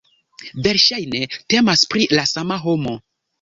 Verŝajne temas pri la sama homo.